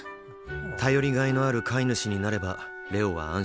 頼りがいのある飼い主になればレオは安心する。